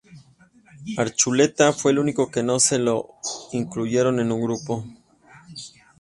Archuleta fue el único que no se lo incluyeron en un grupo.